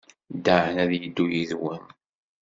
Dan ad yeddu yid-wen.